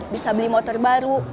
bisa beli motor baru